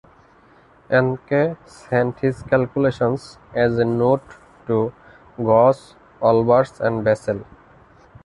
Encke sent his calculations as a note to Gauss, Olbers, and Bessel.